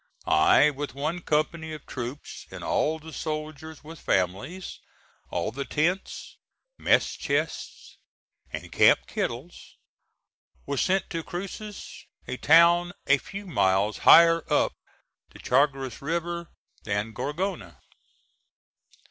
I, with one company of troops and all the soldiers with families, all the tents, mess chests and camp kettles, was sent to Cruces, a town a few miles higher up the Chagres River than Gorgona.